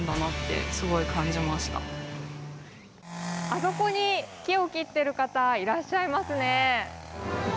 あそこに木を切っている方いらっしゃいますね。